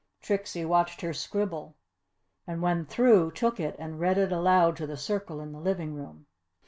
Trixie watched her scribble and when through, took it and read it aloud to the circle in the living room.